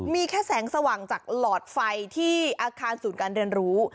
มีแค่แสงสว่างจากหลอดไฟที่อาคารศูนย์การเรียนรู้